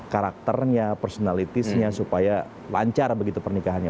karakternya personalitisnya supaya lancar begitu pernikahannya